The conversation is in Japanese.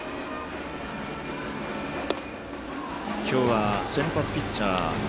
今日は先発ピッチャー